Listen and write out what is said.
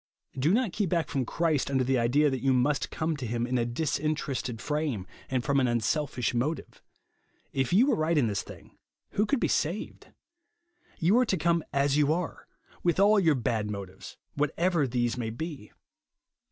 Do not keep back from Christ under the idea that you must come to him in a dis interested frame, and from an unselfish motive. If you were right in this thing, who could be saved ? You are to come as you are r, with all your bad motives, what ever these may be.